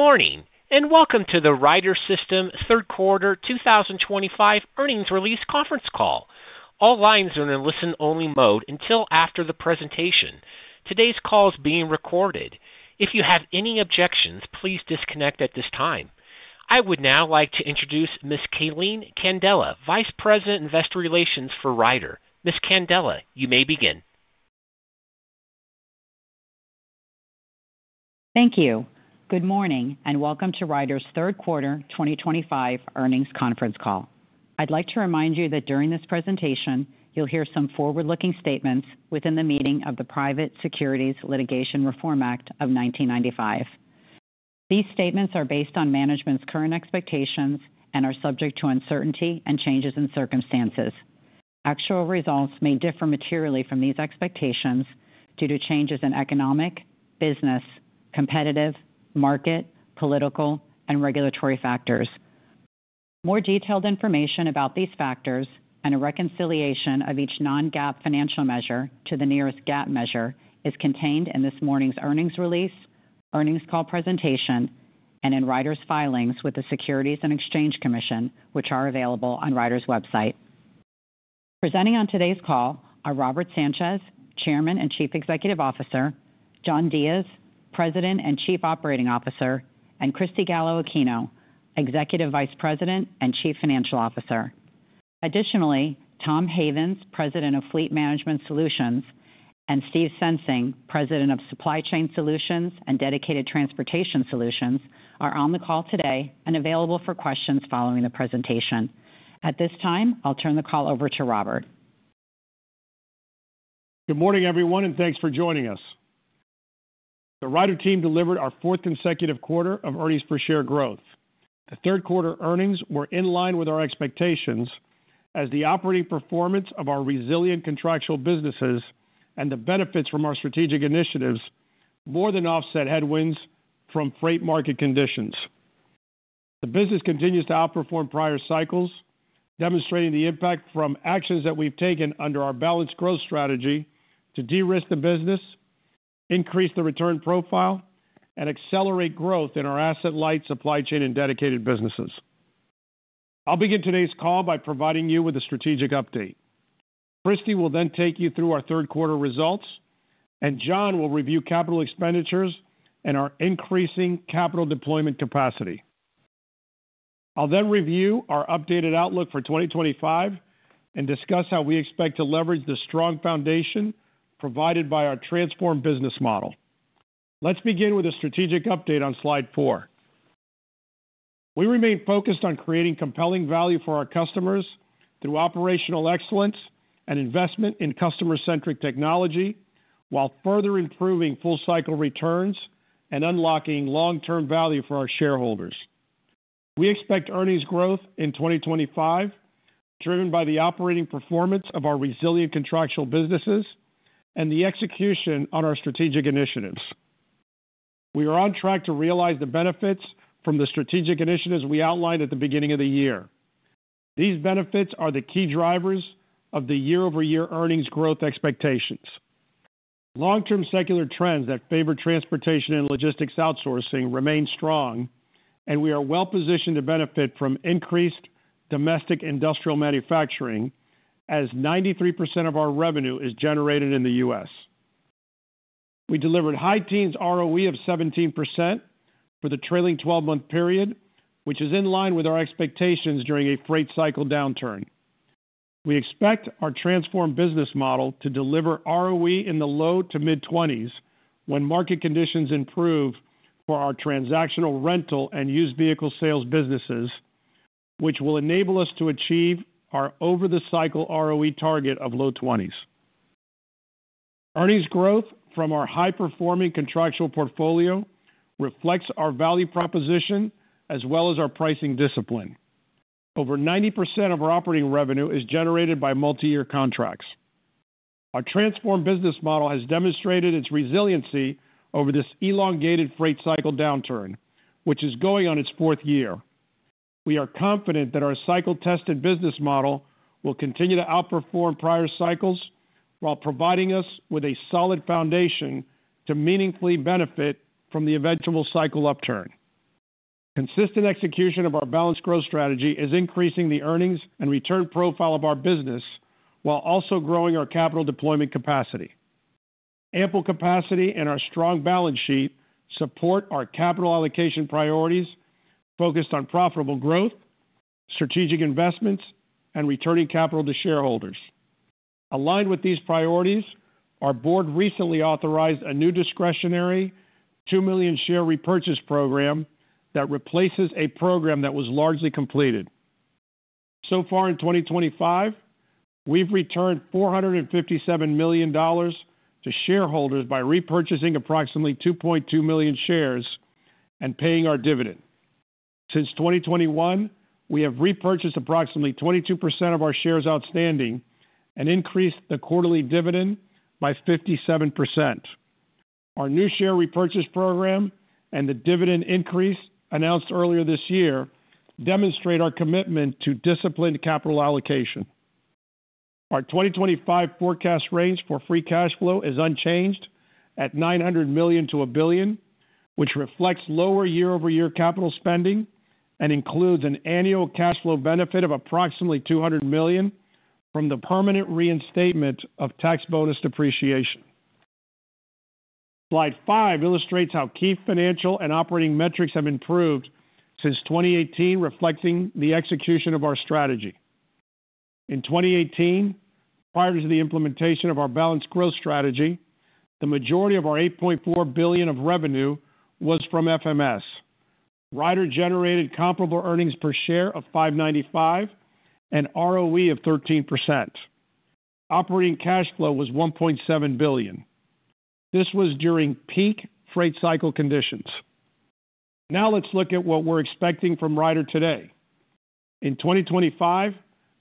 Morning and welcome to the Ryder System third quarter 2025 earnings release conference call. All lines are in a listen-only mode until after the presentation. Today's call is being recorded. If you have any objections, please disconnect at this time. I would now like to introduce Ms. Calene F. Candela, Vice President Investor Relations for Ryder. Ms. Candela, you may begin. Thank you. Good morning and welcome to Ryder System's third quarter 2025 earnings conference call. I'd like to remind you that during this presentation, you'll hear some forward-looking statements within the meaning of the Private Securities Litigation Reform Act of 1995. These statements are based on management's current expectations and are subject to uncertainty and changes in circumstances. Actual results may differ materially from these expectations due to changes in economic, business, competitive, market, political, and regulatory factors. More detailed information about these factors and a reconciliation of each non-GAAP financial measure to the nearest GAAP measure is contained in this morning's earnings release, earnings call presentation, and in Ryder System's filings with the Securities and Exchange Commission, which are available on Ryder System's website. Presenting on today's call are Robert Sanchez, Chairman and Chief Executive Officer; John Diez, President and Chief Operating Officer; and Cristina Gallo-Aquino, Executive Vice President and Chief Financial Officer. Additionally, Tom Havens, President, Fleet Management Solutions, and Steve Sensing, President, Supply Chain Solutions and Dedicated Transportation Solutions, are on the call today and available for questions following the presentation. At this time, I'll turn the call over to Robert. Good morning everyone and thanks for joining us. The Ryder team delivered our fourth consecutive quarter of earnings per share growth. The third quarter earnings were in line with our expectations as the operating performance of our resilient contractual businesses and the benefits from our strategic initiatives more than offset headwinds from freight market conditions. The business continues to outperform prior cycles, demonstrating the impact from actions that we've taken under our balanced growth strategy to de-risk the business, increase the return profile, and accelerate growth in our asset-light supply chain and dedicated businesses. I'll begin today's call by providing you with a strategic update. Christy will then take you through our third quarter results, and John will review capital expenditures and our increasing capital deployment capacity. I'll then review our updated outlook for 2025 and discuss how we expect to leverage the strong foundation provided by our transformed business model. Let's begin with a strategic update on slide four. We remain focused on creating compelling value for our customers through operational excellence and investment in customer-centric technology, while further improving full-cycle returns and unlocking long-term value for our shareholders. We expect earnings growth in 2025, driven by the operating performance of our resilient contractual businesses and the execution on our strategic initiatives. We are on track to realize the benefits from the strategic initiatives we outlined at the beginning of the year. These benefits are the key drivers of the year-over-year earnings growth expectations. Long-term secular trends that favor transportation and logistics outsourcing remain strong, and we are well-positioned to benefit from increased domestic industrial manufacturing, as 93% of our revenue is generated in the U.S. We delivered high-teens ROE of 17% for the trailing 12-month period, which is in line with our expectations during a freight cycle downturn. We expect our transformed business model to deliver ROE in the low to mid-20s when market conditions improve for our transactional rental and used vehicle sales businesses, which will enable us to achieve our over-the-cycle ROE target of low 20s. Earnings growth from our high-performing contractual portfolio reflects our value proposition as well as our pricing discipline. Over 90% of our operating revenue is generated by multi-year contracts. Our transformed business model has demonstrated its resiliency over this elongated freight cycle downturn, which is going on its fourth year. We are confident that our cycle-tested business model will continue to outperform prior cycles while providing us with a solid foundation to meaningfully benefit from the eventual cycle upturn. Consistent execution of our balanced growth strategy is increasing the earnings and return profile of our business while also growing our capital deployment capacity. Ample capacity and our strong balance sheet support our capital allocation priorities focused on profitable growth, strategic investments, and returning capital to shareholders. Aligned with these priorities, our board recently authorized a new discretionary 2 million share repurchase program that replaces a program that was largely completed. In 2025, we've returned $457 million to shareholders by repurchasing approximately 2.2 million shares and paying our dividend. Since 2021, we have repurchased approximately 22% of our shares outstanding and increased the quarterly dividend by 57%. Our new share repurchase program and the dividend increase announced earlier this year demonstrate our commitment to disciplined capital allocation. Our 2025 forecast range for free cash flow is unchanged at $900 million-$1 billion, which reflects lower year-over-year capital spending and includes an annual cash flow benefit of approximately $200 million from the permanent reinstatement of tax bonus depreciation. Slide five illustrates how key financial and operating metrics have improved since 2018, reflecting the execution of our strategy. In 2018, prior to the implementation of our balanced growth strategy, the majority of our $8.4 billion of revenue was from fleet management solutions. Ryder generated comparable EPS of $5.95 and ROE of 13%. Operating cash flow was $1.7 billion. This was during peak freight cycle conditions. Now let's look at what we're expecting from Ryder today. In 2025,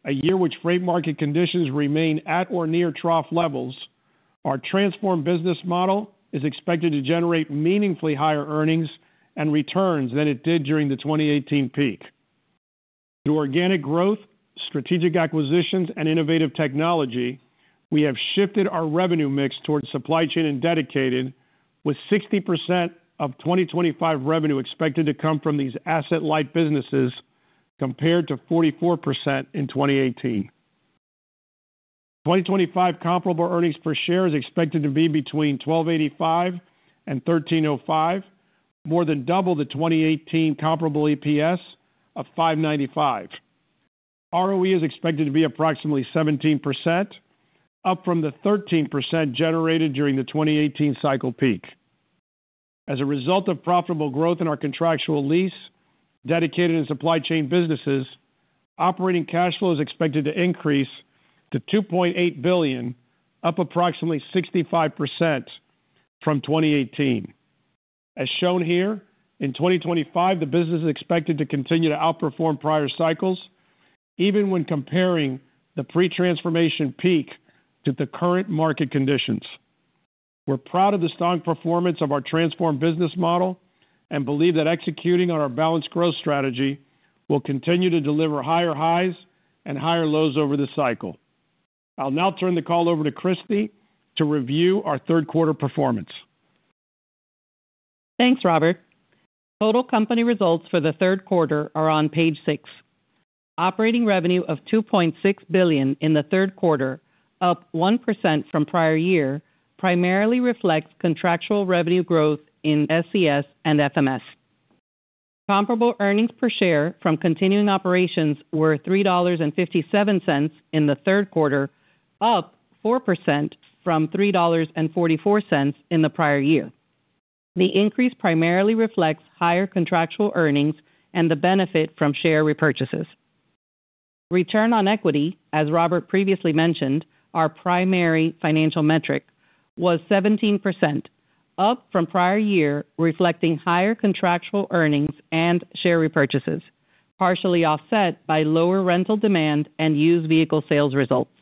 a year which freight market conditions remain at or near trough levels, our transformed business model is expected to generate meaningfully higher earnings and returns than it did during the 2018 peak. Through organic growth, strategic acquisitions, and innovative technology, we have shifted our revenue mix towards supply chain and dedicated, with 60% of 2025 revenue expected to come from these asset-light businesses compared to 44% in 2018. 2025 comparable earnings per share is expected to be between $12.85 and $13.05, more than double the 2018 comparable EPS of $5.95. ROE is expected to be approximately 17%, up from the 13% generated during the 2018 cycle peak. As a result of profitable growth in our contractual lease, dedicated, and supply chain businesses, operating cash flow is expected to increase to $2.8 billion, up approximately 65% from 2018. As shown here, in 2025, the business is expected to continue to outperform prior cycles, even when comparing the pre-transformation peak to the current market conditions. We're proud of the strong performance of our transformed business model and believe that executing on our balanced growth strategy will continue to deliver higher highs and higher lows over this cycle. I'll now turn the call over to Cristina Gallo-Aquino to review our third quarter performance. Thanks, Robert. Total company results for the third quarter are on page six. Operating revenue of $2.6 billion in the third quarter, up 1% from prior year, primarily reflects contractual revenue growth in SCS and FMS. Comparable EPS from continuing operations were $3.57 in the third quarter, up 4% from $3.44 in the prior year. The increase primarily reflects higher contractual earnings and the benefit from share repurchases. Return on equity, as Robert previously mentioned, our primary financial metric, was 17%, up from prior year, reflecting higher contractual earnings and share repurchases, partially offset by lower rental demand and used vehicle sales results.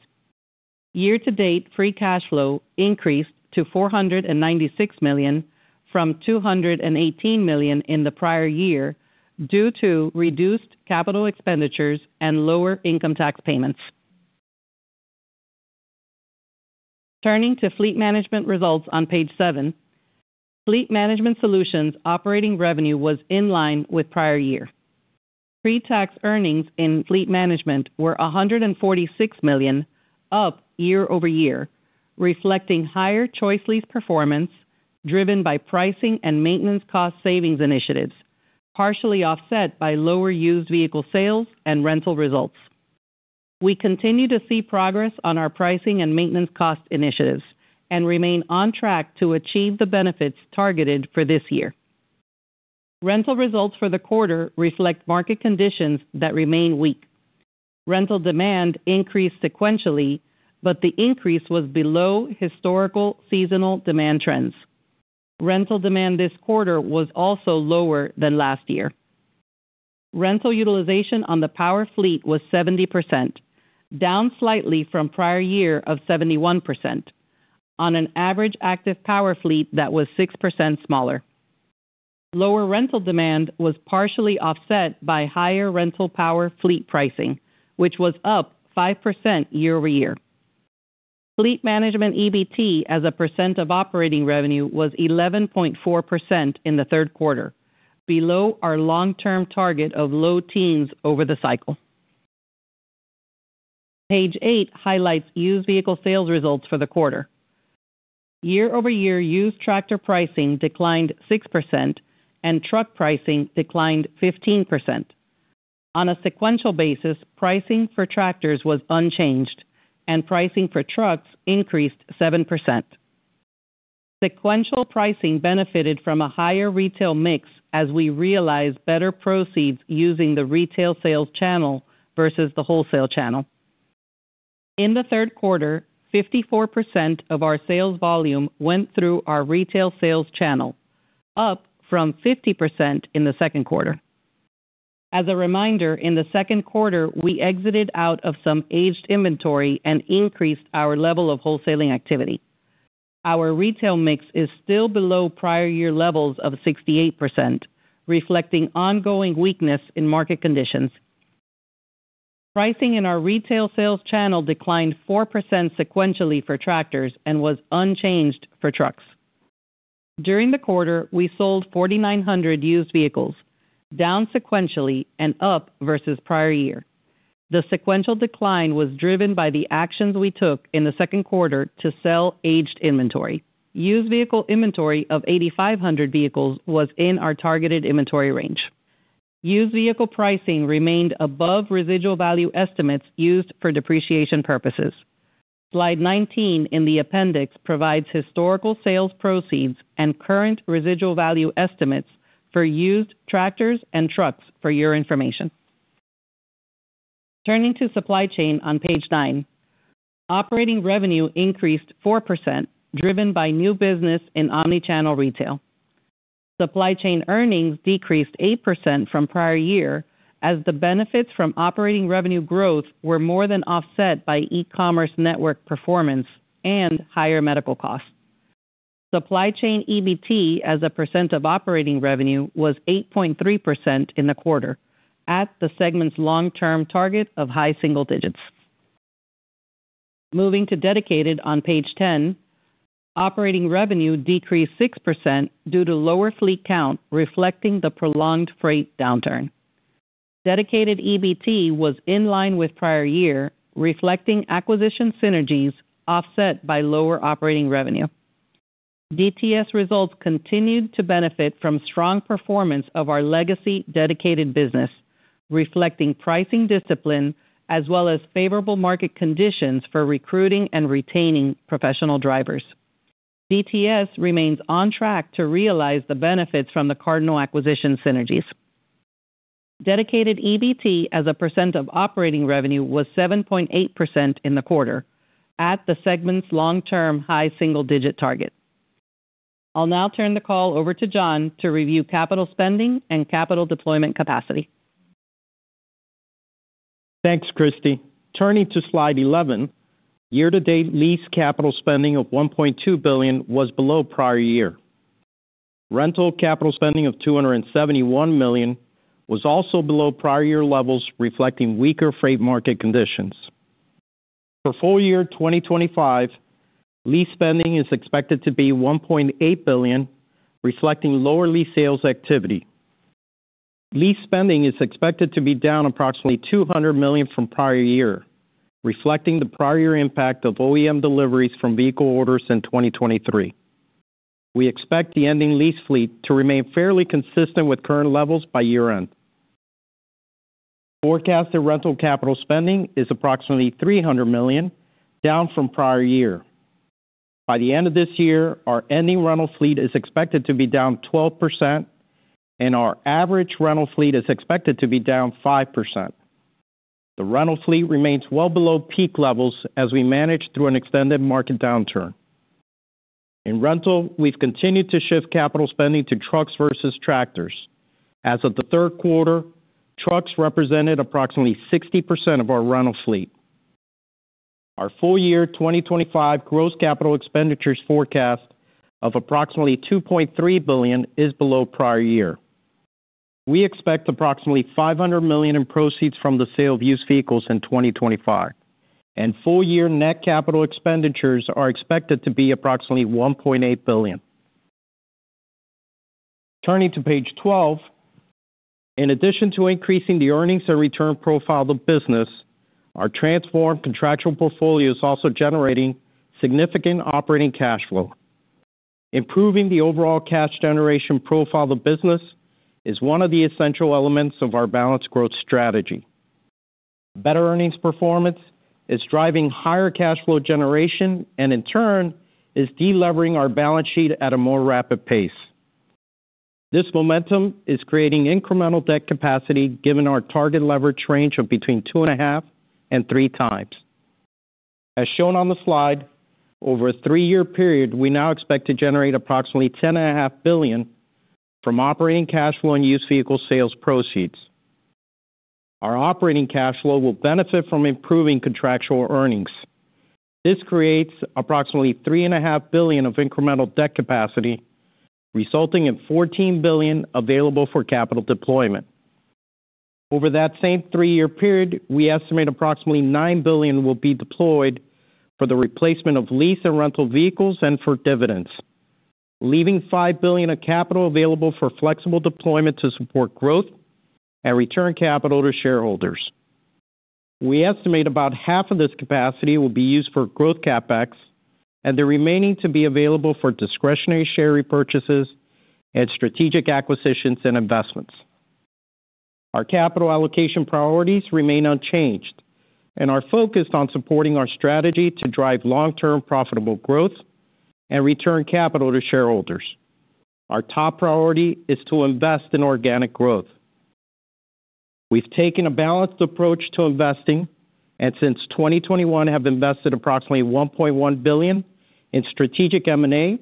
Year-to-date free cash flow increased to $496 million from $218 million in the prior year due to reduced CapEx and lower income tax payments. Turning to fleet management results on page seven, Fleet Management Solutions operating revenue was in line with prior year. Pre-tax earnings in fleet management were $146 million, up year over year, reflecting higher ChoiceLease performance driven by pricing and maintenance cost savings initiatives, partially offset by lower used vehicle sales and rental results. We continue to see progress on our pricing and maintenance cost initiatives and remain on track to achieve the benefits targeted for this year. Rental results for the quarter reflect market conditions that remain weak. Rental demand increased sequentially, but the increase was below historical seasonal demand trends. Rental demand this quarter was also lower than last year. Rental utilization on the power fleet was 70%, down slightly from prior year of 71%, on an average active power fleet that was 6% smaller. Lower rental demand was partially offset by higher rental power fleet pricing, which was up 5% year-over-year. Fleet management EBT as a percent of operating revenue was 11.4% in the third quarter, below our long-term target of low teens over the cycle. Page eight highlights used vehicle sales results for the quarter. Year-over-year used tractor pricing declined 6% and truck pricing declined 15%. On a sequential basis, pricing for tractors was unchanged and pricing for trucks increased 7%. Sequential pricing benefited from a higher retail mix as we realized better proceeds using the retail sales channel versus the wholesale channel. In the third quarter, 54% of our sales volume went through our retail sales channel, up from 50% in the second quarter. As a reminder, in the second quarter, we exited out of some aged inventory and increased our level of wholesaling activity. Our retail mix is still below prior year levels of 68%, reflecting ongoing weakness in market conditions. Pricing in our retail sales channel declined 4% sequentially for tractors and was unchanged for trucks. During the quarter, we sold 4,900 used vehicles, down sequentially and up versus prior year. The sequential decline was driven by the actions we took in the second quarter to sell aged inventory. Used vehicle inventory of 8,500 vehicles was in our targeted inventory range. Used vehicle pricing remained above residual value estimates used for depreciation purposes. Slide 19 in the appendix provides historical sales proceeds and current residual value estimates for used tractors and trucks for your information. Turning to supply chain on page nine, operating revenue increased 4%, driven by new business in omnichannel retail. Supply chain earnings decreased 8% from prior year as the benefits from operating revenue growth were more than offset by e-commerce network performance and higher medical costs. Supply chain EBT as a percent of operating revenue was 8.3% in the quarter, at the segment's long-term target of high single digits. Moving to dedicated on page 10, operating revenue decreased 6% due to lower fleet count, reflecting the prolonged freight downturn. Dedicated EBT was in line with prior year, reflecting acquisition synergies offset by lower operating revenue. DTS results continued to benefit from strong performance of our legacy dedicated business, reflecting pricing discipline as well as favorable market conditions for recruiting and retaining professional drivers. DTS remains on track to realize the benefits from the Cardinal acquisition synergies. Dedicated EBT as a percent of operating revenue was 7.8% in the quarter, at the segment's long-term high single-digit target. I'll now turn the call over to John to review capital spending and capital deployment capacity. Thanks, Christy. Turning to slide 11, year-to-date lease capital spending of $1.2 billion was below prior year. Rental capital spending of $271 million was also below prior year levels, reflecting weaker freight market conditions. For full year 2025, lease spending is expected to be $1.8 billion, reflecting lower lease sales activity. Lease spending is expected to be down approximately $200 million from prior year, reflecting the prior year impact of OEM deliveries from vehicle orders in 2023. We expect the ending lease fleet to remain fairly consistent with current levels by year-end. Forecasted rental capital spending is approximately $300 million, down from prior year. By the end of this year, our ending rental fleet is expected to be down 12%, and our average rental fleet is expected to be down 5%. The rental fleet remains well below peak levels as we manage through an extended market downturn. In rental, we've continued to shift capital spending to trucks versus tractors. As of the third quarter, trucks represented approximately 60% of our rental fleet. Our full year 2025 gross CapEx forecast of approximately $2.3 billion is below prior year. We expect approximately $500 million in proceeds from the sale of used vehicles in 2025, and full year net CapEx are expected to be approximately $1.8 billion. Turning to page 12, in addition to increasing the earnings and return profile of the business, our transformed contractual portfolio is also generating significant operating cash flow. Improving the overall cash generation profile of the business is one of the essential elements of our balanced growth strategy. Better earnings performance is driving higher cash flow generation and, in turn, is delevering our balance sheet at a more rapid pace. This momentum is creating incremental debt capacity given our target leverage range of between 2.5 and threetimes. As shown on the slide, over a three-year period, we now expect to generate approximately $10.5 billion from operating cash flow and used vehicle sales proceeds. Our operating cash flow will benefit from improving contractual earnings. This creates approximately $3.5 billion of incremental debt capacity, resulting in $14 billion available for capital deployment. Over that same three-year period, we estimate approximately $9 billion will be deployed for the replacement of lease and rental vehicles and for dividends, leaving $5 billion of capital available for flexible deployment to support growth and return capital to shareholders. We estimate about half of this capacity will be used for growth CapEx and the remaining to be available for discretionary share repurchases and strategic acquisitions and investments. Our capital allocation priorities remain unchanged and are focused on supporting our strategy to drive long-term profitable growth and return capital to shareholders. Our top priority is to invest in organic growth. We've taken a balanced approach to investing and, since 2021, have invested approximately $1.1 billion in strategic M&A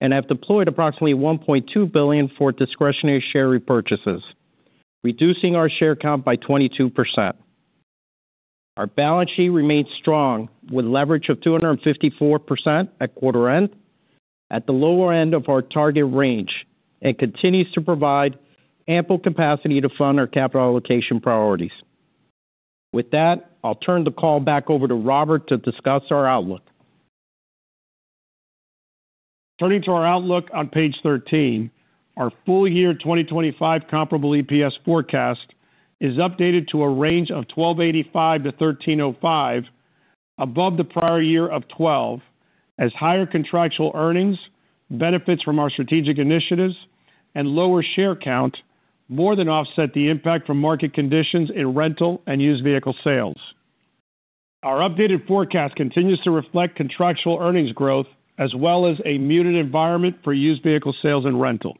and have deployed approximately $1.2 billion for discretionary share repurchases, reducing our share count by 22%. Our balance sheet remains strong with leverage of 254% at quarter end, at the lower end of our target range, and continues to provide ample capacity to fund our capital allocation priorities. With that, I'll turn the call back over to Robert to discuss our outlook. Turning to our outlook on page 13, our full year 2025 comparable EPS forecast is updated to a range of $12.85-$13.05, above the prior year of $12, as higher contractual earnings, benefits from our strategic initiatives, and lower share count more than offset the impact from market conditions in rental and used vehicle sales. Our updated forecast continues to reflect contractual earnings growth as well as a muted environment for used vehicle sales and rental.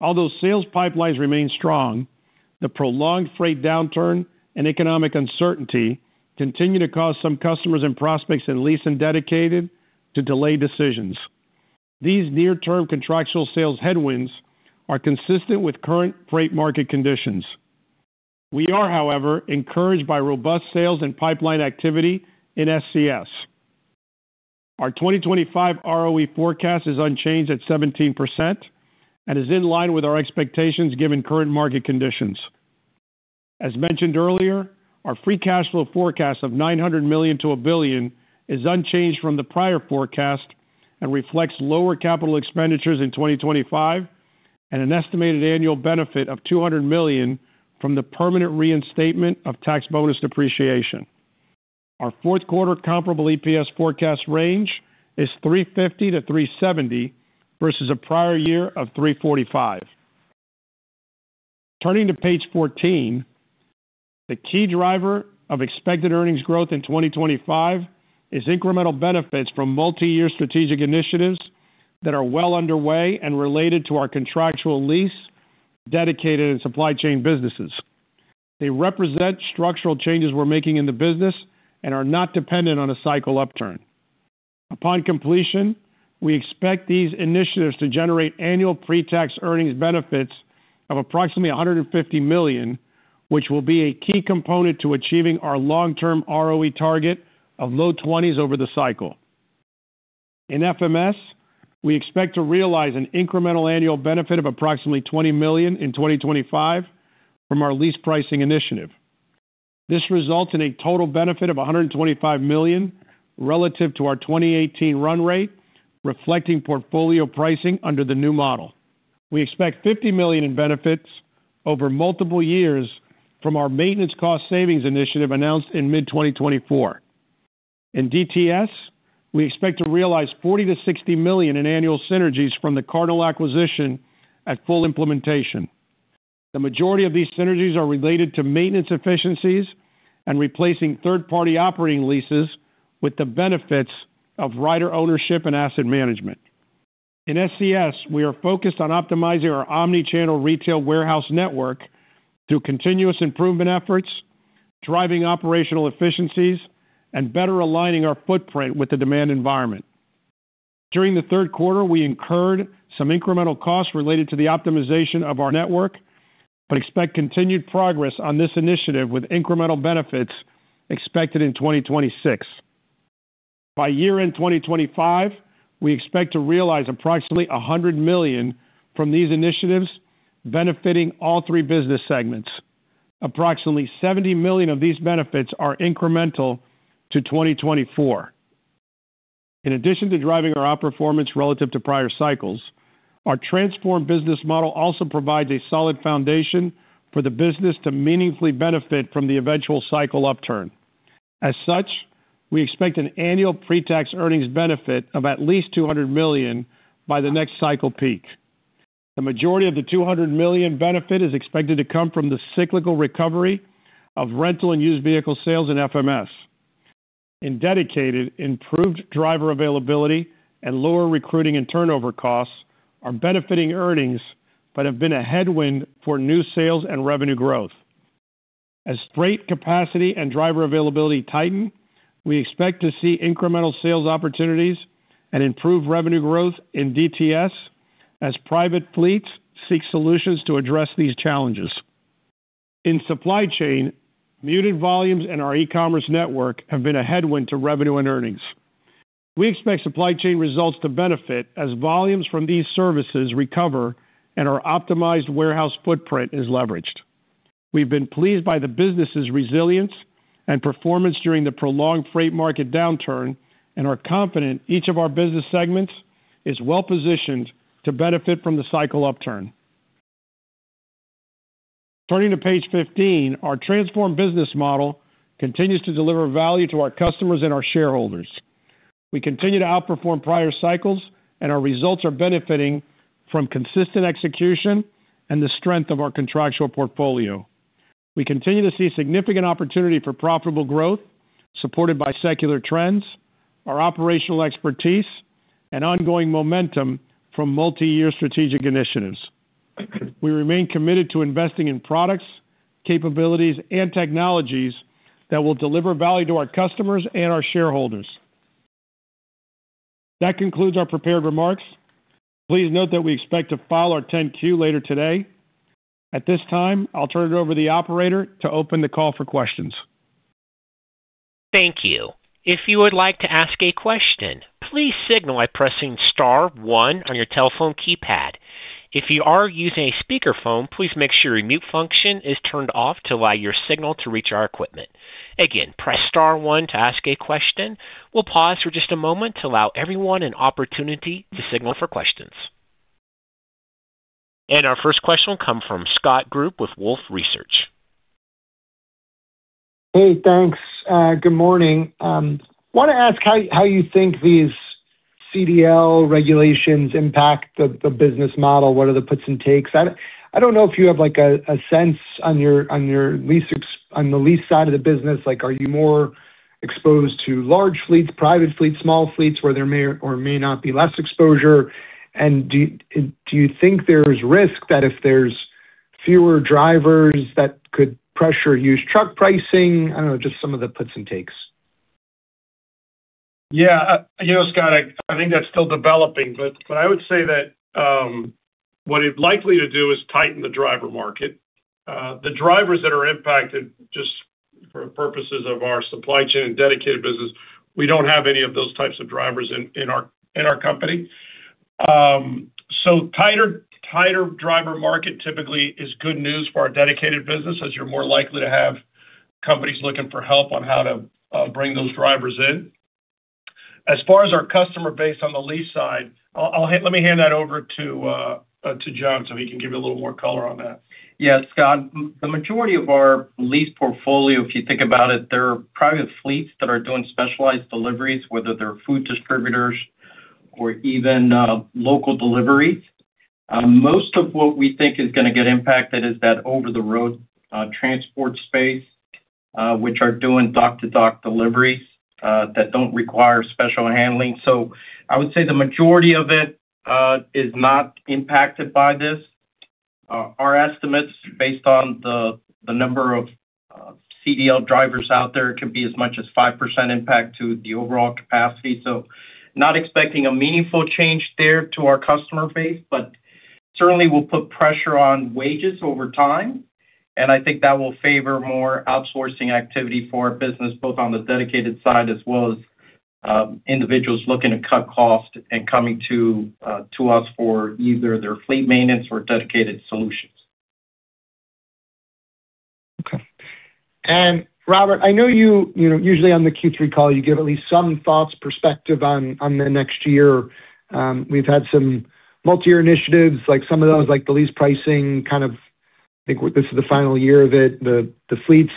Although sales pipelines remain strong, the prolonged freight downturn and economic uncertainty continue to cause some customers and prospects in lease and dedicated to delay decisions. These near-term contractual sales headwinds are consistent with current freight market conditions. We are, however, encouraged by robust sales and pipeline activity in SCS. Our 2025 ROE forecast is unchanged at 17% and is in line with our expectations given current market conditions. As mentioned earlier, our free cash flow forecast of $900 million-$1 billion is unchanged from the prior forecast and reflects lower CapEx in 2025 and an estimated annual benefit of $200 million from the permanent reinstatement of tax bonus depreciation. Our fourth quarter comparable EPS forecast range is $3.50-$3.70 versus a prior year of $3.45. Turning to page 14, the key driver of expected earnings growth in 2025 is incremental benefits from multi-year strategic initiatives that are well underway and related to our contractual lease, dedicated, and supply chain businesses. They represent structural changes we're making in the business and are not dependent on a cycle upturn. Upon completion, we expect these initiatives to generate annual pre-tax earnings benefits of approximately $150 million, which will be a key component to achieving our long-term ROE target of low 20s over the cycle. In FMS, we expect to realize an incremental annual benefit of approximately $20 million in 2025 from our lease pricing initiative. This results in a total benefit of $125 million relative to our 2018 run rate, reflecting portfolio pricing under the new model. We expect $50 million in benefits over multiple years from our maintenance cost savings initiative announced in mid-2024. In DTS, we expect to realize $40 million-$60 million in annual synergies from the Cardinal acquisition at full implementation. The majority of these synergies are related to maintenance efficiencies and replacing third-party operating leases with the benefits of Ryder ownership and asset management. In SCS, we are focused on optimizing our omnichannel retail warehouse network through continuous improvement efforts, driving operational efficiencies, and better aligning our footprint with the demand environment. During the third quarter, we incurred some incremental costs related to the optimization of our network, but expect continued progress on this initiative with incremental benefits expected in 2026. By year-end 2025, we expect to realize approximately $100 million from these initiatives benefiting all three business segments. Approximately $70 million of these benefits are incremental to 2024. In addition to driving our outperformance relative to prior cycles, our transformed business model also provides a solid foundation for the business to meaningfully benefit from the eventual cycle upturn. As such, we expect an annual pre-tax earnings benefit of at least $200 million by the next cycle peak. The majority of the $200 million benefit is expected to come from the cyclical recovery of rental and used vehicle sales in FMS. In Dedicated, improved driver availability and lower recruiting and turnover costs are benefiting earnings but have been a headwind for new sales and revenue growth. As freight capacity and driver availability tighten, we expect to see incremental sales opportunities and improved revenue growth in DTS as private fleets seek solutions to address these challenges. In Supply Chain, muted volumes in our e-commerce network have been a headwind to revenue and earnings. We expect Supply Chain results to benefit as volumes from these services recover and our optimized warehouse footprint is leveraged. We've been pleased by the business's resilience and performance during the prolonged freight market downturn and are confident each of our business segments is well-positioned to benefit from the cycle upturn. Turning to page 15, our transformed business model continues to deliver value to our customers and our shareholders. We continue to outperform prior cycles, and our results are benefiting from consistent execution and the strength of our contractual portfolio. We continue to see significant opportunity for profitable growth supported by secular trends, our operational expertise, and ongoing momentum from multi-year strategic initiatives. We remain committed to investing in products, capabilities, and technologies that will deliver value to our customers and our shareholders. That concludes our prepared remarks. Please note that we expect to file our 10-Q later today. At this time, I'll turn it over to the operator to open the call for questions. Thank you. If you would like to ask a question, please signal by pressing star one on your telephone keypad. If you are using a speakerphone, please make sure your mute function is turned off to allow your signal to reach our equipment. Again, press star one to ask a question. We'll pause for just a moment to allow everyone an opportunity to signal for questions. Our first question will come from Scott Group with Wolfe Research. Hey, thanks. Good morning. I want to ask how you think these CDL regulations impact the business model. What are the puts and takes? I don't know if you have like a sense on your lease side of the business. Like, are you more exposed to large fleets, private fleets, small fleets where there may or may not be less exposure? Do you think there's risk that if there's fewer drivers that could pressure used truck pricing? I don't know, just some of the puts and takes. Yeah, you know, Scott, I think that's still developing, but I would say that what it's likely to do is tighten the driver market. The drivers that are impacted, just for the purposes of our supply chain and dedicated business, we don't have any of those types of drivers in our company. So tighter driver market typically is good news for our dedicated business as you're more likely to have companies looking for help on how to bring those drivers in. As far as our customer base on the lease side, let me hand that over to John so he can give you a little more color on that. Yeah, Scott, the majority of our lease portfolio, if you think about it, there are private fleets that are doing specialized deliveries, whether they're food distributors or even local deliveries. Most of what we think is going to get impacted is that over-the-road transport space, which are doing dock-to-dock deliveries that don't require special handling. I would say the majority of it is not impacted by this. Our estimates, based on the number of CDL drivers out there, could be as much as 5% impact to the overall capacity. Not expecting a meaningful change there to our customer base, but certainly will put pressure on wages over time. I think that will favor more outsourcing activity for our business, both on the dedicated side as well as individuals looking to cut costs and coming to us for either their fleet maintenance or dedicated solutions. Okay. Robert, I know you usually on the Q3 call, you give at least some thoughts, perspective on the next year. We've had some multi-year initiatives, like some of those, like the lease pricing kind of, I think this is the final year of it. The fleet's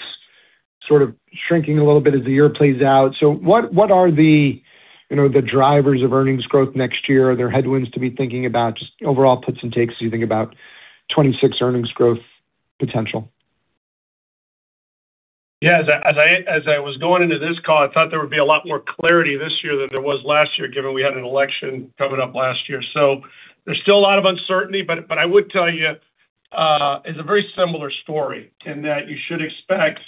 sort of shrinking a little bit as the year plays out. What are the, you know, the drivers of earnings growth next year? Are there headwinds to be thinking about? Just overall puts and takes as you think about 2026 earnings growth potential? Yeah, as I was going into this call, I thought there would be a lot more clarity this year than there was last year, given we had an election coming up last year. There's still a lot of uncertainty, but I would tell you, it's a very similar story in that you should expect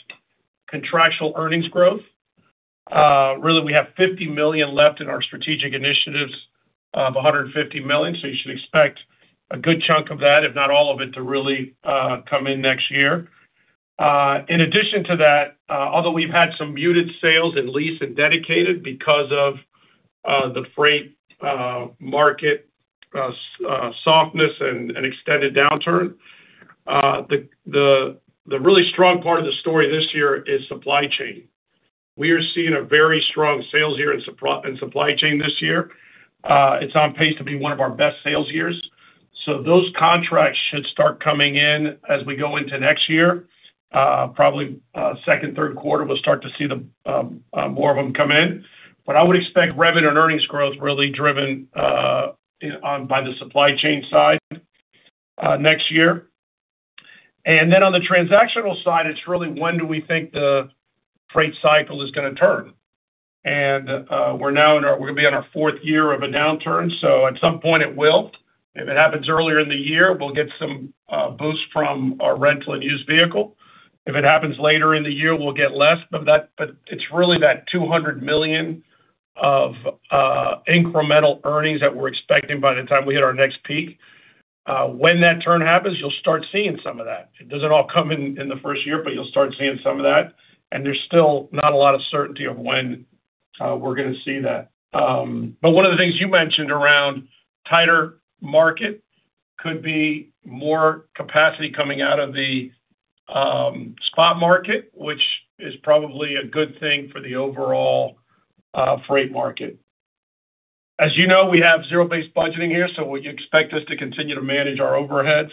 contractual earnings growth. Really, we have $50 million left in our strategic initiatives, $150 million. You should expect a good chunk of that, if not all of it, to really come in next year. In addition to that, although we've had some muted sales in lease and dedicated because of the freight market softness and extended downturn, the really strong part of the story this year is supply chain. We are seeing a very strong sales year in supply chain this year. It's on pace to be one of our best sales years. Those contracts should start coming in as we go into next year. Probably second, third quarter, we'll start to see more of them come in. I would expect revenue and earnings growth really driven by the supply chain side next year. On the transactional side, it's really when do we think the freight cycle is going to turn? We're now in our, we're going to be on our fourth year of a downturn. At some point, it will. If it happens earlier in the year, we'll get some boost from our rental and used vehicle. If it happens later in the year, we'll get less. It's really that $200 million of incremental earnings that we're expecting by the time we hit our next peak. When that turn happens, you'll start seeing some of that. It doesn't all come in the first year, but you'll start seeing some of that. There's still not a lot of certainty of when we're going to see that. One of the things you mentioned around tighter market could be more capacity coming out of the spot market, which is probably a good thing for the overall freight market. As you know, we have zero-based budgeting here, so you expect us to continue to manage our overheads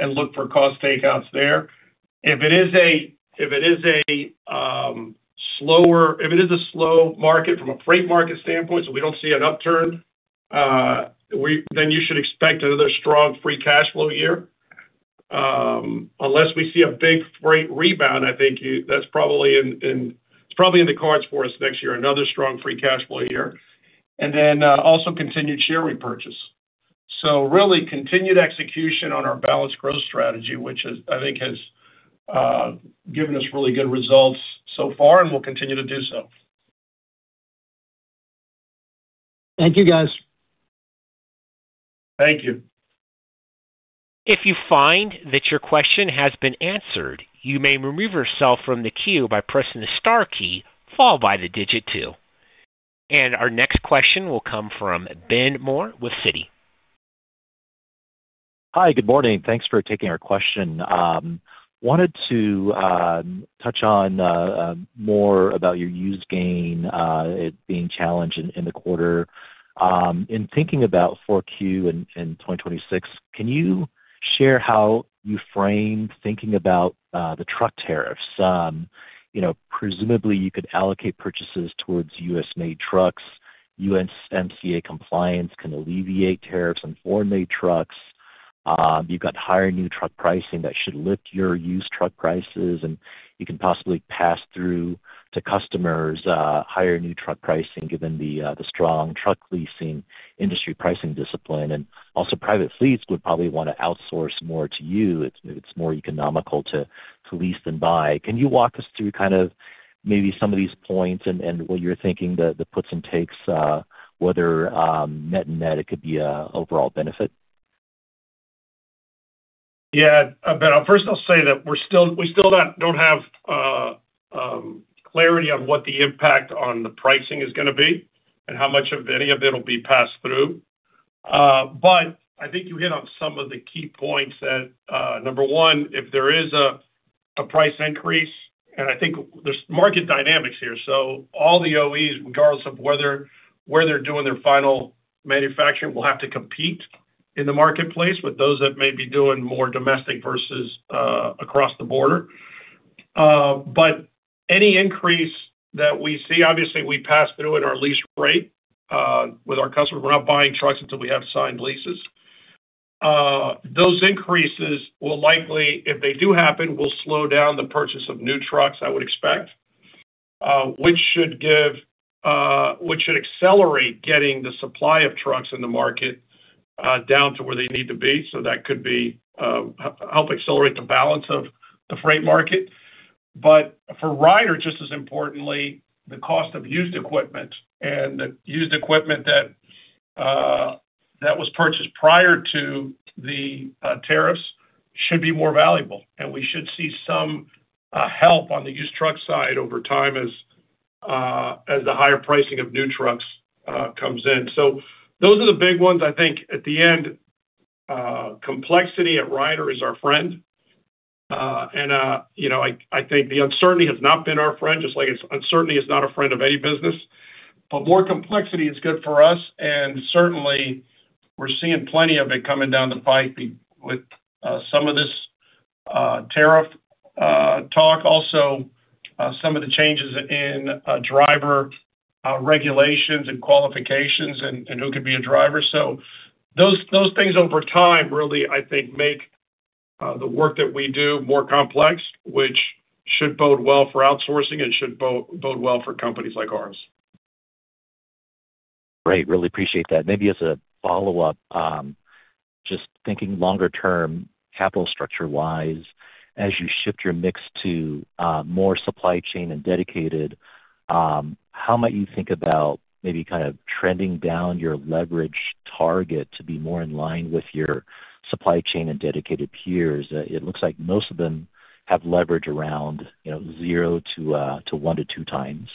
and look for cost takeouts there. If it is a slow market from a freight market standpoint, so we don't see an upturn, then you should expect another strong free cash flow year. Unless we see a big freight rebound, I think that's probably in the cards for us next year, another strong free cash flow year. Also, continued share repurchase. Really, continued execution on our balanced growth strategy, which I think has given us really good results so far, and we'll continue to do so. Thank you, guys. Thank you. If you find that your question has been answered, you may remove yourself from the queue by pressing the star key followed by the digit two. Our next question will come from Ben Moore with Citi. Hi, good morning. Thanks for taking our question. I wanted to touch on more about your used gain being challenged in the quarter. In thinking about 4Q and 2026, can you share how you framed thinking about the truck tariffs? You know, presumably, you could allocate purchases towards U.S.-made trucks. USMCA compliance can alleviate tariffs on foreign-made trucks. You've got higher new truck pricing that should lift your used truck prices, and you can possibly pass through to customers higher new truck pricing given the strong truck leasing industry pricing discipline. Private fleets would probably want to outsource more to you. It's more economical to lease than buy. Can you walk us through kind of maybe some of these points and what you're thinking, the puts and takes, whether net and net it could be an overall benefit? Yeah, but first, I'll say that we still don't have clarity on what the impact on the pricing is going to be and how much of any of it will be passed through. I think you hit on some of the key points that, number one, if there is a price increase, and I think there's market dynamics here. All the OEs, regardless of where they're doing their final manufacturing, will have to compete in the marketplace with those that may be doing more domestic versus across the border. Any increase that we see, obviously, we pass through in our lease rate with our customers. We're not buying trucks until we have signed leases. Those increases will likely, if they do happen, slow down the purchase of new trucks, I would expect, which should accelerate getting the supply of trucks in the market down to where they need to be. That could help accelerate the balance of the freight market. For Ryder, just as importantly, the cost of used equipment and the used equipment that was purchased prior to the tariffs should be more valuable. We should see some help on the used truck side over time as the higher pricing of new trucks comes in. Those are the big ones. I think at the end, complexity at Ryder is our friend. I think the uncertainty has not been our friend, just like uncertainty is not a friend of any business. More complexity is good for us. Certainly, we're seeing plenty of it coming down the pike with some of this tariff talk. Also, some of the changes in driver regulations and qualifications and who could be a driver. Those things over time really, I think, make the work that we do more complex, which should bode well for outsourcing and should bode well for companies like ours. Great. Really appreciate that. Maybe as a follow-up, just thinking longer-term capital structure-wise, as you shift your mix to more supply chain and dedicated, how might you think about maybe kind of trending down your leverage target to be more in line with your supply chain and dedicated peers? It looks like most of them have leverage around, you know, zero to one to two times.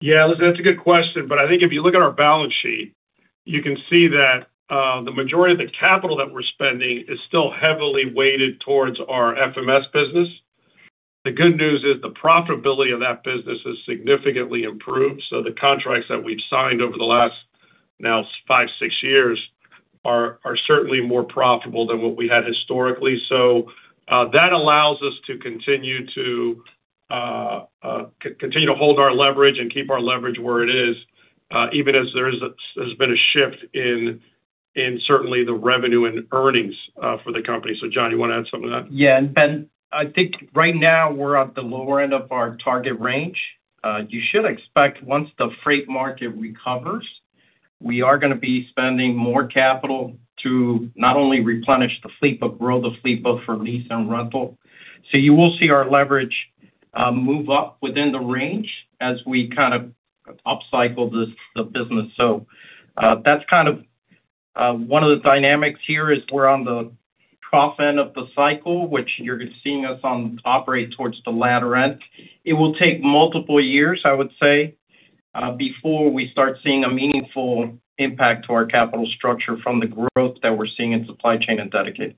Yeah, that's a good question. I think if you look at our balance sheet, you can see that the majority of the capital that we're spending is still heavily weighted towards our Fleet Management Solutions business. The good news is the profitability of that business has significantly improved. The contracts that we've signed over the last now five, six years are certainly more profitable than what we had historically. That allows us to continue to hold our leverage and keep our leverage where it is, even as there has been a shift in certainly the revenue and earnings for the company. John, you want to add something to that? Yeah. I think right now we're at the lower end of our target range. You should expect once the freight market recovers, we are going to be spending more capital to not only replenish the fleet, but grow the fleet both for lease and rental. You will see our leverage move up within the range as we kind of upcycle the business. That's kind of one of the dynamics here, we're on the trough end of the cycle, which you're seeing us operate towards the latter end. It will take multiple years, I would say, before we start seeing a meaningful impact to our capital structure from the growth that we're seeing in supply chain and dedicated.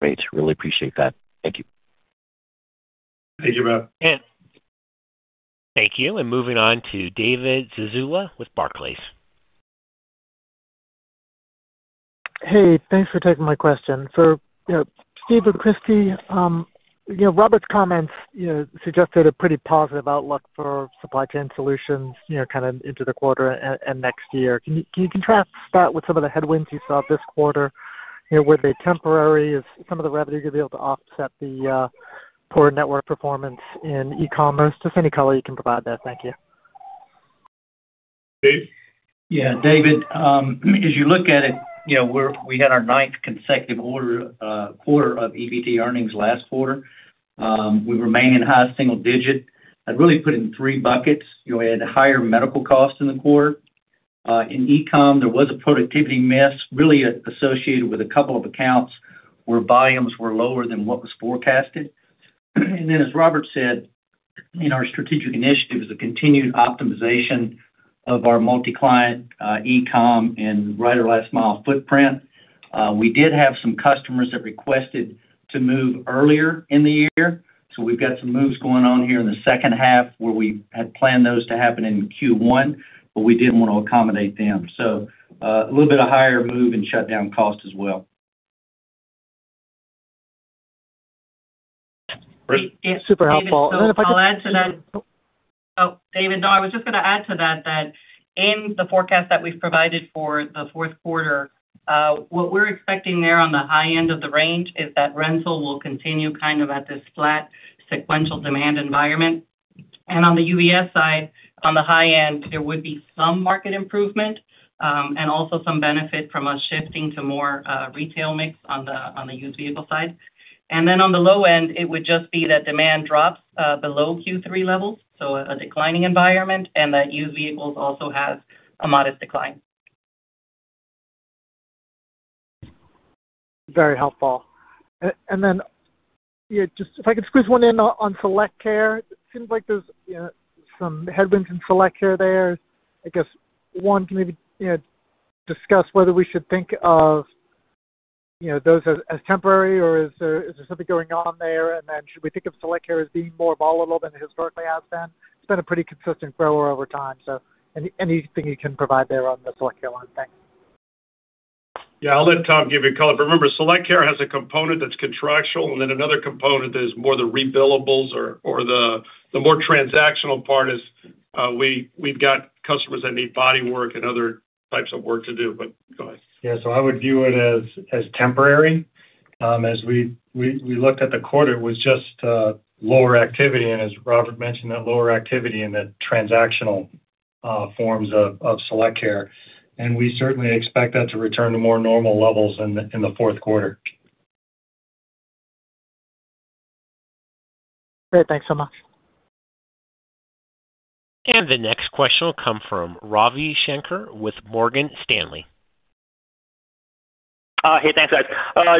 Great. Really appreciate that. Thank you. Thank you, Bob. Thank you. Moving on to David Michael Zazula with Barclays Bank PLC. Hey, thanks for taking my question. For Steve and Cristina, you know, Robert's comments suggested a pretty positive outlook for supply chain solutions, you know, kind of into the quarter and next year. Can you contrast that with some of the headwinds you saw this quarter? Were they temporary? Is some of the revenue going to be able to offset the poor network performance in e-commerce? Just any color you can provide there. Thank you. Yeah, David, as you look at it, you know, we had our ninth consecutive quarter of EBT earnings last quarter. We remain in high single digit. I'd really put it in three buckets. You had higher medical costs in the quarter. In e-com, there was a productivity miss, really associated with a couple of accounts where volumes were lower than what was forecasted. As Robert said, in our strategic initiatives, the continued optimization of our multi-client e-com and Ryder last mile footprint. We did have some customers that requested to move earlier in the year. We've got some moves going on here in the second half where we had planned those to happen in Q1, but we didn't want to accommodate them. A little bit of a higher move and shutdown cost as well. Yeah, super helpful. I'll add to that. David, I was just going to add to that in the forecast that we've provided for the fourth quarter, what we're expecting there on the high end of the range is that rental will continue kind of at this flat sequential demand environment. On the UBS side, on the high end, there would be some market improvement and also some benefit from us shifting to more retail mix on the used vehicle side. On the low end, it would just be that demand drops below Q3 levels, so a declining environment, and that used vehicles also have a modest decline. Very helpful. If I could squeeze one in on SelectCare, it seems like there's some headwinds in SelectCare there. I guess one can maybe discuss whether we should think of those as temporary or is there something going on there? Should we think of SelectCare as being more volatile than it historically has been? It's been a pretty consistent grower over time. Anything you can provide there on the SelectCare line, thanks. Yeah, I'll let Tom give you a call. Remember, SelectCare has a component that's contractual and then another component that is more the rebillables or the more transactional part, as we've got customers that need body work and other types of work to do. Go ahead. Yeah, I would view it as temporary. As we looked at the quarter, it was just lower activity. As Robert mentioned, that lower activity in the transactional forms of SelectCare. We certainly expect that to return to more normal levels in the fourth quarter. Great, thanks so much. The next question will come from Ravi Shanker with Morgan Stanley. Hey, thanks, guys.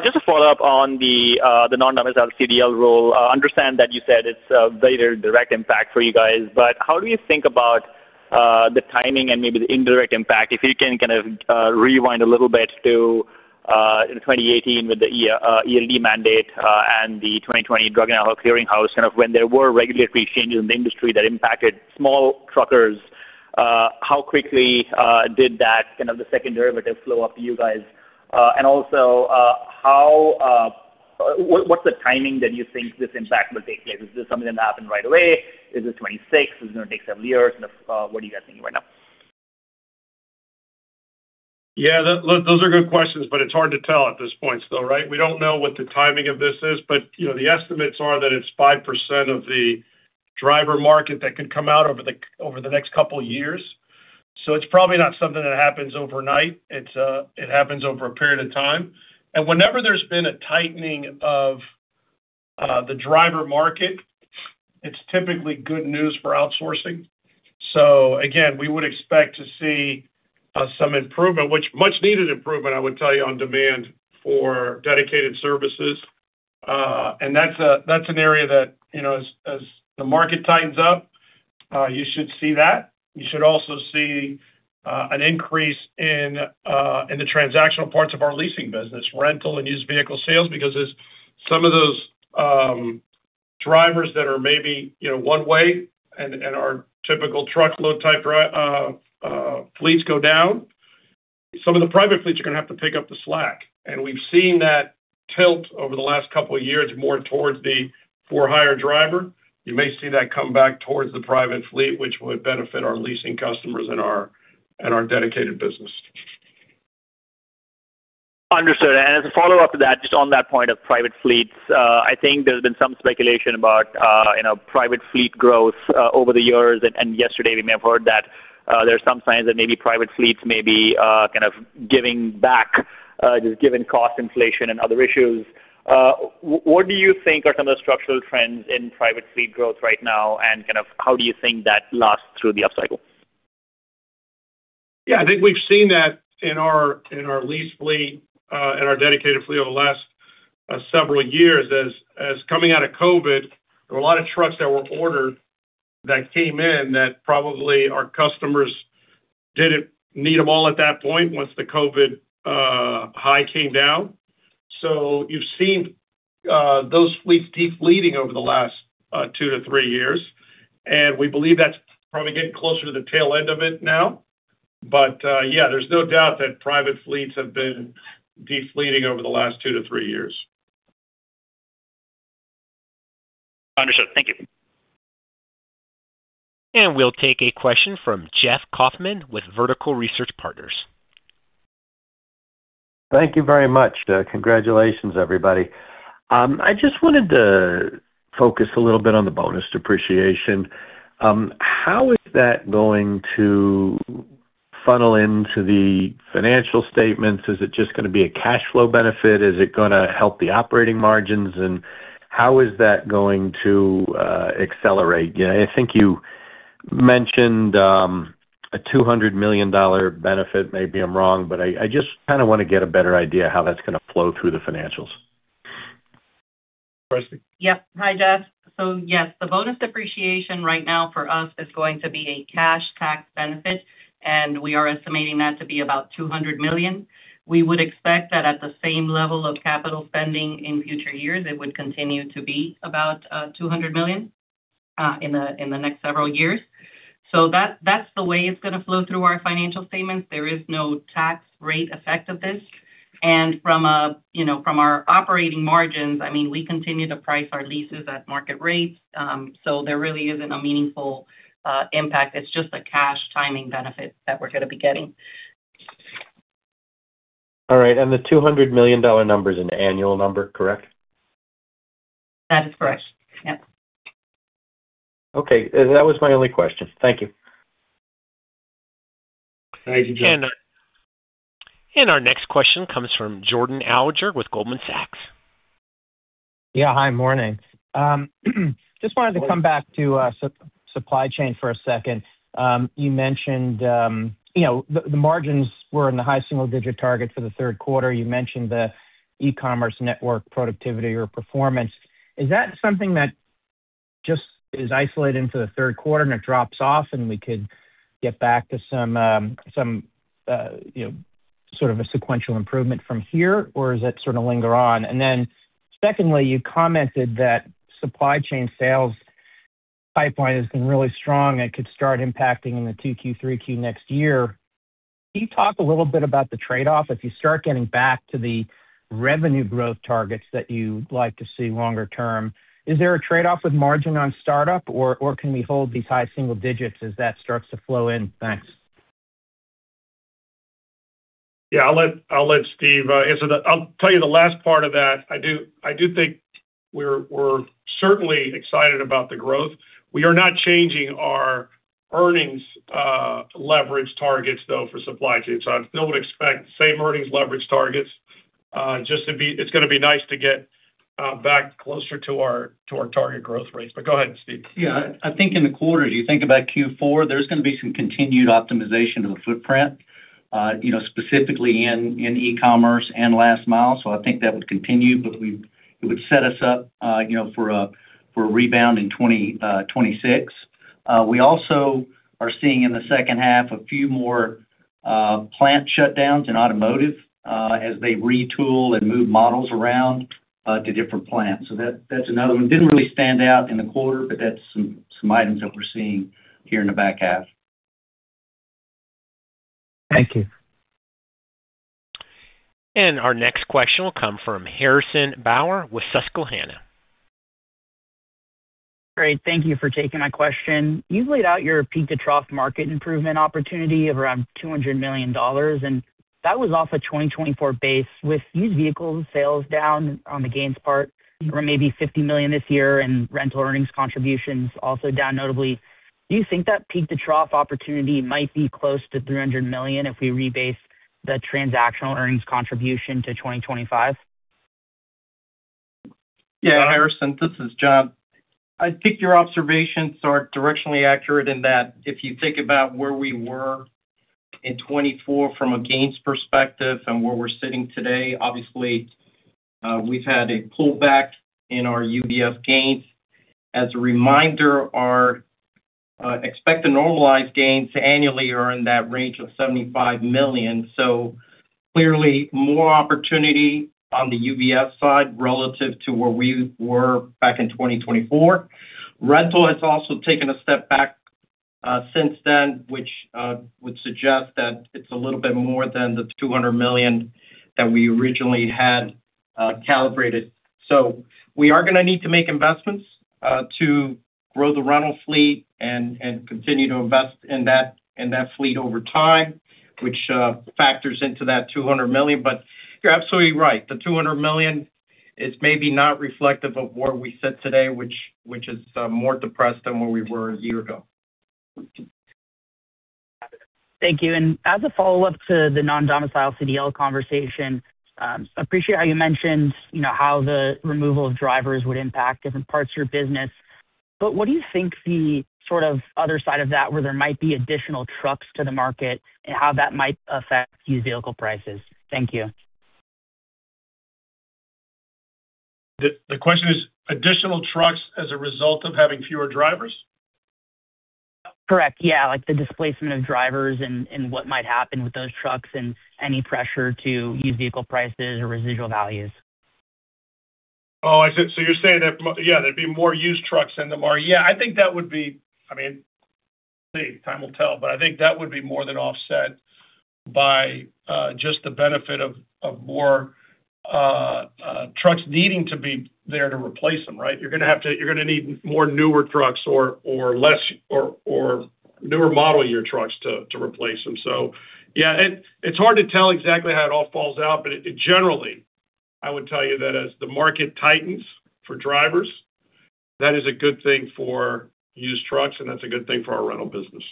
Just a follow-up on the non-domicile CDL role. I understand that you said it's a very, very direct impact for you guys, but how do you think about the timing and maybe the indirect impact if you can kind of rewind a little bit to 2018 with the ELD mandate and the 2020 drug and alcohol clearinghouse, kind of when there were regulatory changes in the industry that impacted small truckers? How quickly did that kind of the second derivative flow up to you guys? Also, what's the timing that you think this impact will take place? Is this something that happened right away? Is this 2026? Is it going to take seven years? What are you guys thinking right now? Yeah, those are good questions, but it's hard to tell at this point still, right? We don't know what the timing of this is, but the estimates are that it's 5% of the driver market that could come out over the next couple of years. It's probably not something that happens overnight. It happens over a period of time. Whenever there's been a tightening of the driver market, it's typically good news for outsourcing. We would expect to see some improvement, much-needed improvement, I would tell you, on demand for dedicated services. That's an area that, as the market tightens up, you should see that. You should also see an increase in the transactional parts of our leasing business, rental and used vehicle sales, because some of those drivers that are maybe one-way and our typical truckload type fleets go down. Some of the private fleets are going to have to pick up the slack. We've seen that tilt over the last couple of years more towards the for-hire driver. You may see that come back towards the private fleet, which would benefit our leasing customers and our dedicated business. Understood. As a follow-up to that, just on that point of private fleets, I think there's been some speculation about, you know, private fleet growth over the years. Yesterday, we may have heard that there are some signs that maybe private fleets may be kind of giving back, just given cost inflation and other issues. What do you think are some of the structural trends in private fleet growth right now, and kind of how do you think that lasts through the upcycle? Yeah, I think we've seen that in our lease fleet and our dedicated fleet over the last several years. As coming out of COVID, there were a lot of trucks that were ordered that came in that probably our customers didn't need them all at that point once the COVID high came down. You've seen those fleets defleeting over the last two to three years. We believe that's probably getting closer to the tail end of it now. There's no doubt that private fleets have been defleeting over the last two to three years. Understood. Thank you. We will take a question from Jeff Kauffman with Vertical Research Partners. Thank you very much. Congratulations, everybody. I just wanted to focus a little bit on the bonus depreciation. How is that going to funnel into the financial statements? Is it just going to be a cash flow benefit? Is it going to help the operating margins? How is that going to accelerate? I think you mentioned a $200 million benefit. Maybe I'm wrong, but I just kind of want to get a better idea of how that's going to flow through the financials. Yep. Hi, Jeff. Yes, the bonus depreciation right now for us is going to be a cash tax benefit, and we are estimating that to be about $200 million. We would expect that at the same level of capital spending in future years, it would continue to be about $200 million in the next several years. That is the way it's going to flow through our financial statements. There is no tax rate effect of this. From our operating margins, we continue to price our leases at market rates, so there really isn't a meaningful impact. It's just a cash timing benefit that we're going to be getting. All right. The $200 million number is an annual number, correct? That is correct. Yep. Okay. That was my only question. Thank you. Our next question comes from Jordan Robert Alliger with Goldman Sachs Group. Yeah, hi, morning. Just wanted to come back to supply chain for a second. You mentioned the margins were in the high single-digit target for the third quarter. You mentioned the e-commerce network productivity or performance. Is that something that just is isolated into the third quarter and it drops off and we could get back to some sort of a sequential improvement from here, or does it sort of linger on? Secondly, you commented that supply chain sales pipeline has been really strong and could start impacting in the 2Q, 3Q next year. Can you talk a little bit about the trade-off if you start getting back to the revenue growth targets that you like to see longer term? Is there a trade-off with margin on startup, or can we hold these high single digits as that starts to flow in? Thanks? Yeah, I'll let Steve answer that. I'll tell you the last part of that. I do think we're certainly excited about the growth. We are not changing our earnings leverage targets, though, for Supply Chain. I still would expect the same earnings leverage targets. It's going to be nice to get back closer to our target growth rates. Go ahead, Steve. Yeah, I think in the quarter, if you think about Q4, there's going to be some continued optimization of the footprint, specifically in e-commerce and last mile. I think that would continue, but it would set us up for a rebound in 2026. We also are seeing in the second half a few more plant shutdowns in automotive as they retool and move models around to different plants. That's another one. It didn't really stand out in the quarter, but that's some items that we're seeing here in the back half. Thank you. Our next question will come from Harrison Ty Bauer with Susquehanna Financial Group. Great. Thank you for taking my question. You've laid out your peak-to-trough market improvement opportunity of around $200 million, and that was off a 2024 base with used vehicle sales down on the gains part, or maybe $50 million this year and rental earnings contributions also down notably. Do you think that peak-to-trough opportunity might be close to $300 million if we rebase the transactional earnings contribution to 2025? Yeah, Harrison, this is John. I think your observations are directionally accurate in that if you think about where we were in 2024 from a gains perspective and where we're sitting today, obviously, we've had a pullback in our UBS gains. As a reminder, our expected normalized gains annually are in that range of $75 million. Clearly, more opportunity on the UBS side relative to where we were back in 2024. Rental has also taken a step back since then, which would suggest that it's a little bit more than the $200 million that we originally had calibrated. We are going to need to make investments to grow the rental fleet and continue to invest in that fleet over time, which factors into that $200 million. You're absolutely right. The $200 million is maybe not reflective of where we sit today, which is more depressed than where we were a year ago. Thank you. As a follow-up to the non-domicile CDL conversation, I appreciate how you mentioned how the removal of drivers would impact different parts of your business. What do you think the sort of other side of that is, where there might be additional trucks to the market and how that might affect used vehicle prices? Thank you. The question is additional trucks as a result of having fewer drivers? Correct. Yeah, like the displacement of drivers and what might happen with those trucks and any pressure to use vehicle prices or residual values. Oh, I see. You're saying that, yeah, there'd be more used trucks than there are. I think that would be, I mean, time will tell, but I think that would be more than offset by just the benefit of more trucks needing to be there to replace them, right? You're going to have to, you're going to need more newer trucks or less or newer model year trucks to replace them. It's hard to tell exactly how it all falls out, but generally, I would tell you that as the market tightens for drivers, that is a good thing for used trucks, and that's a good thing for our rental business.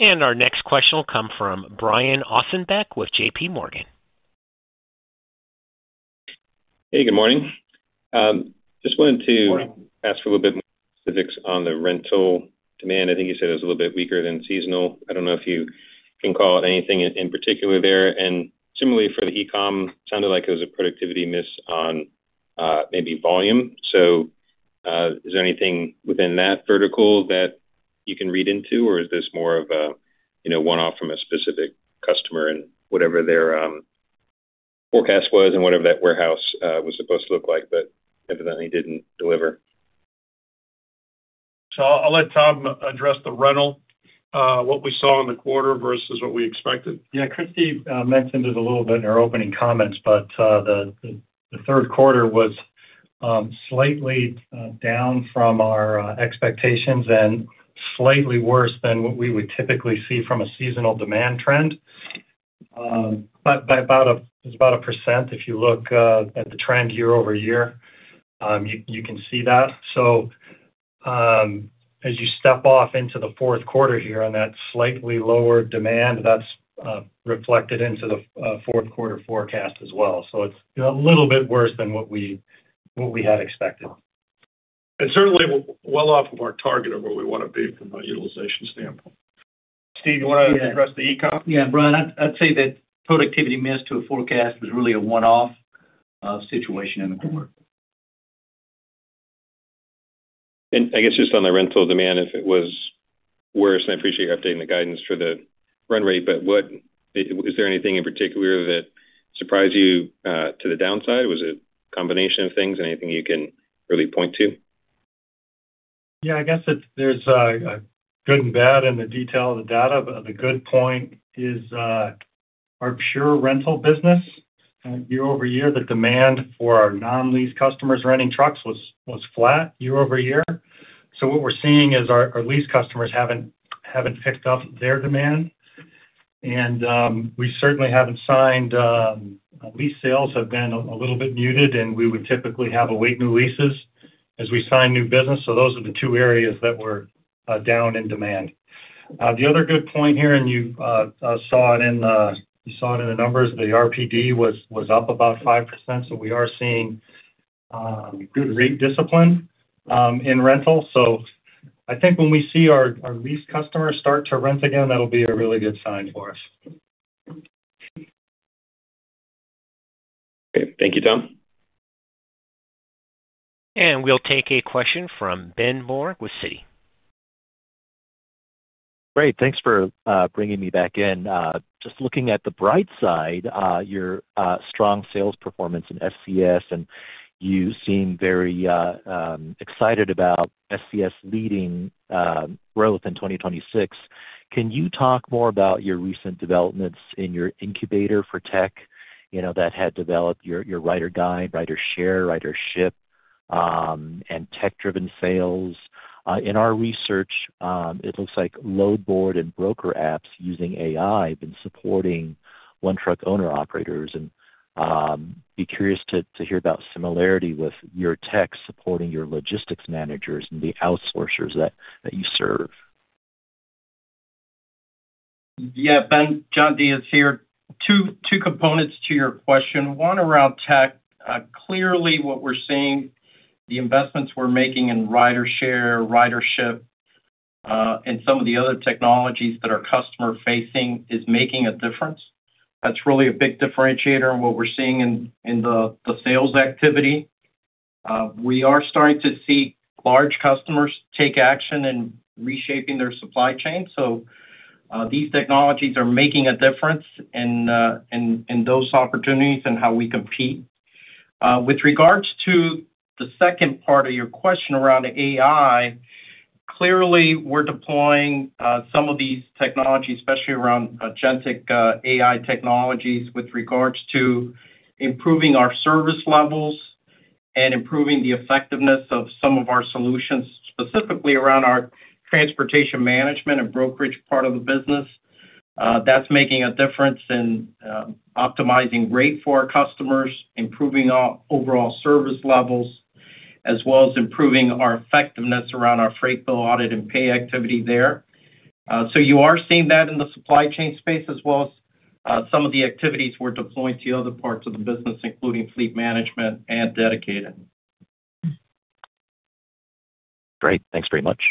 Our next question will come from Brian Patrick Ossenbeck with JPMorgan Chase & Co. Hey, good morning. I just wanted to ask for a little bit more specifics on the rental demand. I think you said it was a little bit weaker than seasonal. I don't know if you can call it anything in particular there. Similarly, for the e-com, it sounded like it was a productivity miss on maybe volume. Is there anything within that vertical that you can read into, or is this more of a one-off from a specific customer and whatever their forecast was and whatever that warehouse was supposed to look like, but evidently didn't deliver? I'll let Tom address the rental, what we saw in the quarter versus what we expected. Yeah, Cristina Gallo-Aquino mentioned it a little bit in her opening comments, but the third quarter was slightly down from our expectations and slightly worse than what we would typically see from a seasonal demand trend by about 1%. If you look at the trend year-over-year, you can see that. As you step off into the fourth quarter here on that slightly lower demand, that's reflected into the fourth quarter forecast as well. It's a little bit worse than what we had expected. It's certainly well off of our target of where we want to be from a utilization standpoint. Steve, you want to address the e-com? Yeah, Brian, I'd say that productivity missed to a forecast was really a one-off situation in the quarter. I guess just on the rental demand, if it was worse, and I appreciate you updating the guidance for the run rate, is there anything in particular that surprised you to the downside? Was it a combination of things? Anything you can really point to? Yeah, I guess there's a good and bad in the detail of the data, but the good point is our pure rental business year-over-year, the demand for our non-lease customers renting trucks was flat year-over-year. What we're seeing is our lease customers haven't picked up their demand. We certainly haven't signed lease sales, have been a little bit muted, and we would typically have to wait new leases as we sign new business. Those are the two areas that were down in demand. The other good point here, and you saw it in the numbers, the RPD was up about 5%. We are seeing good rate discipline in rental. I think when we see our lease customers start to rent again, that'll be a really good sign for us. Okay. Thank you, Tom. We will take a question from Ben Moore with Citi. Great. Thanks for bringing me back in. Just looking at the bright side, your strong sales performance in SCS, and you seem very excited about SCS leading growth in 2026. Can you talk more about your recent developments in your incubator for tech? You know, that had developed your Ryder Guide, Ryder Share, Ryder Ship, and tech-driven sales. In our research, it looks like load board and broker apps using AI have been supporting one-truck owner-operators. I'd be curious to hear about similarity with your tech supporting your logistics managers and the outsourcers that you serve. Yeah, Ben, John Diez here. Two components to your question. One around tech. Clearly, what we're seeing, the investments we're making in Ryder Share, Ryder Ship, and some of the other technologies that are customer-facing is making a difference. That's really a big differentiator in what we're seeing in the sales activity. We are starting to see large customers take action in reshaping their supply chain. These technologies are making a difference in those opportunities and how we compete. With regards to the second part of your question around AI, clearly, we're deploying some of these technologies, especially around GenTech AI technologies, with regards to improving our service levels and improving the effectiveness of some of our solutions, specifically around our transportation management and brokerage part of the business. That's making a difference in optimizing rate for our customers, improving overall service levels, as well as improving our effectiveness around our freight bill audit and pay activity there. You are seeing that in the supply chain space, as well as some of the activities we're deploying to other parts of the business, including fleet management and dedicated. Great, thanks very much.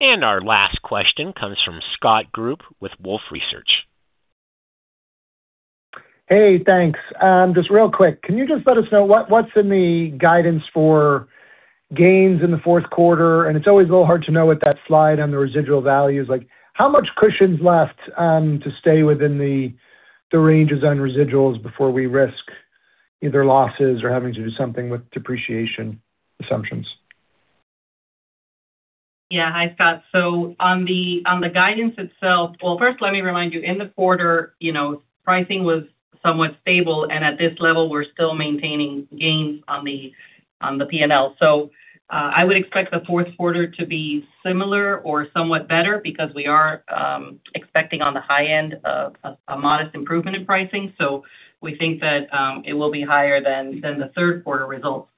Our last question comes from Scott Group with Wolfe Research. Hey, thanks. Just real quick, can you just let us know what's in the guidance for gains in the fourth quarter? It's always a little hard to know with that slide on the residual values. How much cushion is left to stay within the ranges on residuals before we risk either losses or having to do something with depreciation assumptions? Yeah, hi, Scott. On the guidance itself, first, let me remind you, in the quarter, pricing was somewhat stable, and at this level, we're still maintaining gains on the P&L. I would expect the fourth quarter to be similar or somewhat better because we are expecting on the high end a modest improvement in pricing. We think that it will be higher than the third quarter results.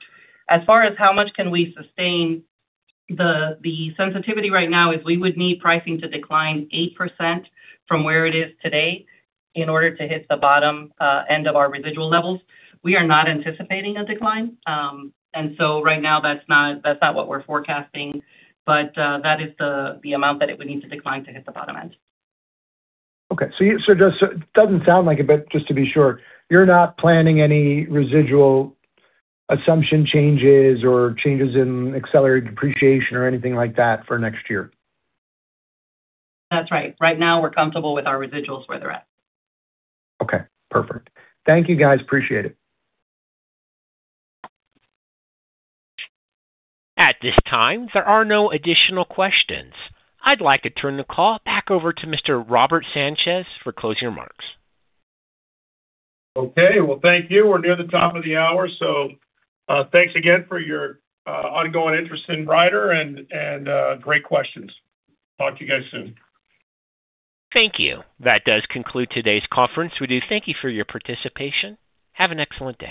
As far as how much can we sustain, the sensitivity right now is we would need pricing to decline 8% from where it is today in order to hit the bottom end of our residual levels. We are not anticipating a decline, and right now, that's not what we're forecasting, but that is the amount that it would need to decline to hit the bottom end. Okay. It doesn't sound like it, but just to be sure, you're not planning any residual assumption changes or changes in accelerated depreciation or anything like that for next year? That's right. Right now, we're comfortable with our residuals where they're at. Okay. Perfect. Thank you, guys. Appreciate it. At this time, there are no additional questions. I'd like to turn the call back over to Mr. Robert Sanchez for closing remarks. Thank you. We're near the top of the hour. Thanks again for your ongoing interest in Ryder and great questions. Talk to you guys soon. Thank you. That does conclude today's conference. We do thank you for your participation. Have an excellent day.